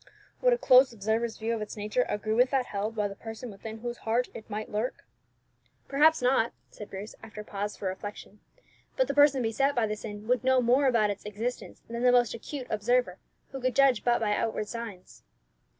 "Would a close observer's view of its nature agree with that held by the person within whose heart it might lurk?" "Perhaps not," said Bruce, after a pause for reflection. "But the person beset by the sin would know more about its existence than the most acute observer, who could judge but by outward signs."